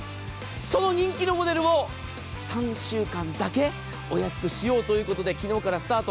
その人気のモデルを３週間だけお安くしようということで昨日からスタート。